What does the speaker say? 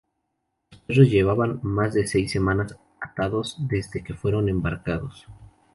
Los perros llevaban más de seis semanas atados desde que fueron embarcados.